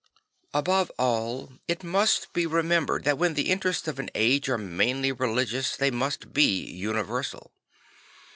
Above all, it must be remembered that when the interests of an age are mainly religious they must be uni versal.